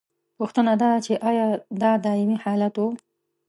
پوښتنه دا ده چې ایا دا دائمي حالت و؟